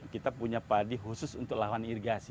kita punya padi khusus untuk lawan irigasi